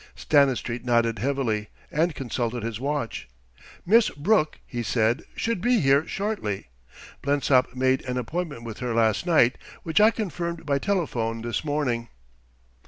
Stanistreet nodded heavily, and consulted his watch. "Miss Brooke," he said, "should be here shortly. Blensop made an appointment with her last night, which I confirmed by telephone this morning."